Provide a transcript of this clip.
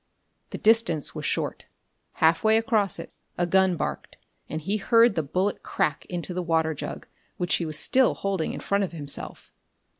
The distance was short. Halfway across it, a gun barked, and he heard the bullet crack into the water jug, which he was still holding in front of himself.